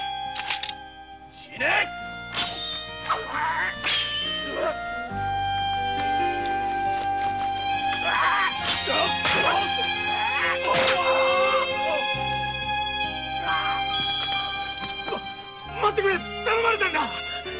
死ね待ってくれ頼まれたんだ。